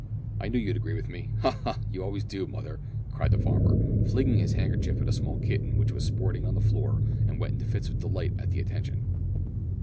"I knew you'd agree with me ha! ha! you always do, mother," cried the farmer, flinging his handkerchief at a small kitten which was sporting on the floor and went into fits of delight at the attention.